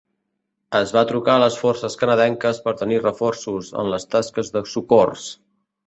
Es va trucar les forces canadenques per tenir reforços en les tasques de socors.